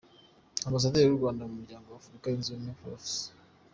Ambasaderi w’u Rwanda mu Muryango wa Afurika yunze Ubumwe, Prof.